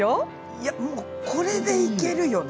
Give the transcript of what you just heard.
いやもうこれでいけるよね。